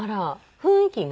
雰囲気が？